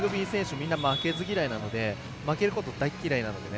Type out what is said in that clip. みんな負けず嫌いなので負けること大嫌いなので。